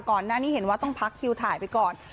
ก่อนหน้านี้เห็นว่าต้องพักคิวถ่ายไปก่อน